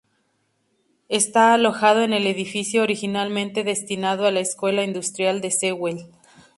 Está alojado en el edificio originalmente destinado a la Escuela Industrial de Sewell.